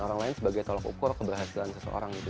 orang lain sebagai tolak ukur keberhasilan seseorang gitu